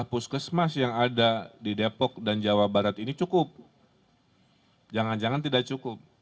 puskesmas yang ada di depok dan jawa barat ini cukup jangan jangan tidak cukup